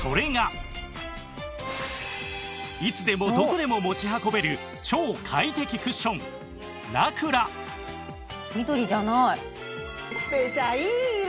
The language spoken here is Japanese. いつでもどこでも持ち運べる超快適クッションラクラ「緑じゃない！」